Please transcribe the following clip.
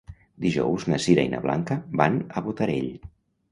Dijous na Sira i na Blanca van a Botarell.